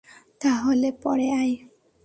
তাহলে পরে আয়।